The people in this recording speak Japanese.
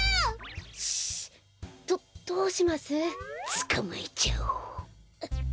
つかまえちゃおう。